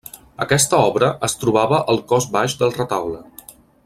Aquesta obra es trobava al cos baix del retaule.